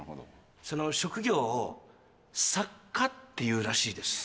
その職業を作家って言うらしいです